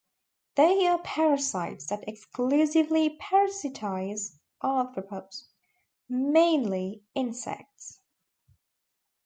They are parasites that exclusively parasitise arthropods, mainly insects.